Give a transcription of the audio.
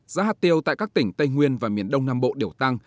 giá hạt tiêu tại các tỉnh tây nguyên và miền đông nam bộ đều tăng